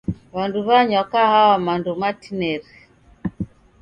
W'andu w'anywa kahawa mando matineri.